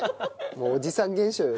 もうおじさん現象よ